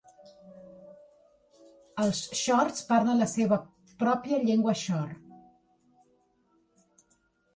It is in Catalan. Els shors parlen la seva pròpia llengua shor.